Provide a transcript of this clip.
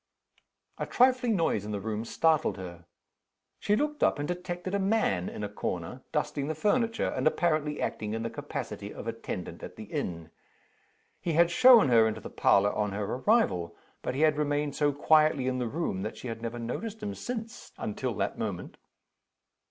A trifling noise in the room startled her. She looked up, and detected a man in a corner, dusting the furniture, and apparently acting in the capacity of attendant at the inn. He had shown her into the parlor on her arrival; but he had remained so quietly in the room that she had never noticed him since, until that moment.